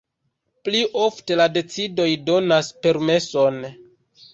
Pli ofte la decidoj donas permeson.